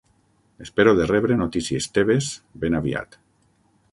Espero de rebre notícies teves ben aviat.